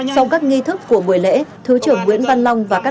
sau các nghi thức của buổi lễ thứ trưởng nguyễn văn long và các